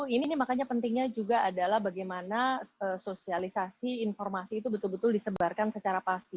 ini makanya pentingnya juga adalah bagaimana sosialisasi informasi itu betul betul disebarkan secara pasti